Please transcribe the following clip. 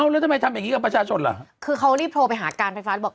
แล้วทำไมทำอย่างงี้กับประชาชนเหรอคือเขารีบโทรไปหาการไฟฟ้าบอก